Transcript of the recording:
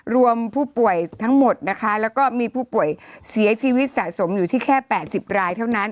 รวมผู้ป่วยทั้งหมดนะคะแล้วก็มีผู้ป่วยเสียชีวิตสะสมอยู่ที่แค่๘๐รายเท่านั้น